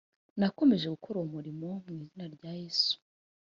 nakomeje gukora uwo murimo mu izina rya yesu